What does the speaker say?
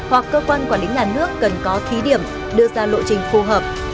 hoặc cơ quan quản lý nhà nước cần có thí điểm đưa ra lộ trình phù hợp